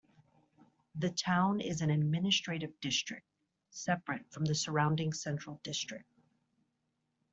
The town is an administrative district, separate from the surrounding Central District.